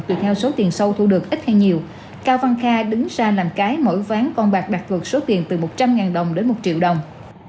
tùy theo số tiền sâu thu được ít hay nhiều cao văn kha đứng ra làm cái mỗi ván con bạc đạt vượt số tiền từ một trăm linh đồng đến một triệu đồng